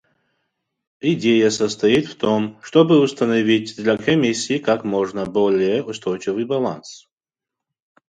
Идея состоит в том, чтобы установить для Комиссии как можно более устойчивый баланс.